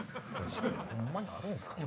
ホンマにあるんすか？